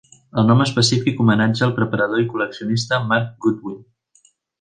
El nom específic homenatja el preparador i col·leccionista Mark Goodwin.